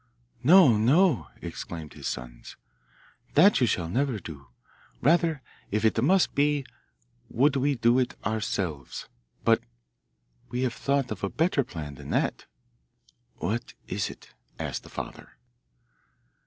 'No, no!' exclaimed his sons; 'that you shall never do. Rather, if it must be, would we do it ourselves. But we have thought of a better plan than that.' 'What is it?' asked the father.